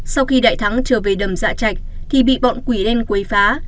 sau khi đại thắng trở về đầm dạ trạch thì bị bọn quỷ đen quấy phá